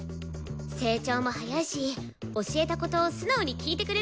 成長も早いし教えたこと素直に聞いてくれるしね。